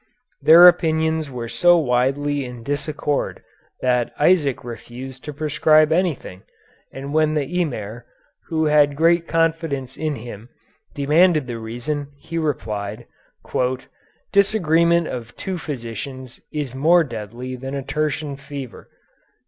Their opinions were so widely in disaccord that Isaac refused to prescribe anything, and when the Emir, who had great confidence in him, demanded the reason, he replied, "disagreement of two physicians is more deadly than a tertian fever."